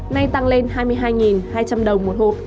nay tăng lên hai mươi hai hai trăm linh đồng một hộp